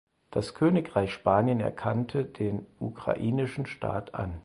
Das Königreich Spanien erkannte den Ukrainischen Staat an.